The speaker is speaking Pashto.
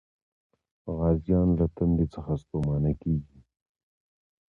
غازيان له تندې څخه ستومانه کېږي.